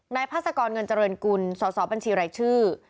นายภาษากรเงินเจริญกุลสปัญชีรายชื่อ